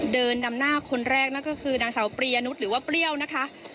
เดินนำหน้าคนแรกนั่นก็คือนางสาวปรียนุษย์หรือว่าเปรี้ยวนะคะ